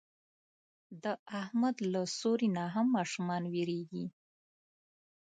د احمد له سیوري نه هم ماشومان وېرېږي.